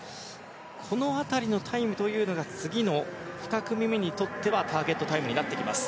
この辺りのタイムが次の２組目にとってはターゲットタイムになってきます。